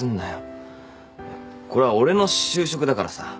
いやこれは俺の就職だからさ。